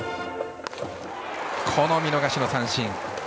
この見逃し三振。